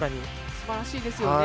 すばらしいですよね。